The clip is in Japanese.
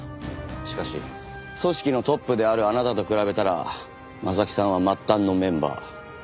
しかし組織のトップであるあなたと比べたら征木さんは末端のメンバー。